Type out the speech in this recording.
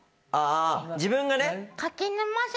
あ自分がね！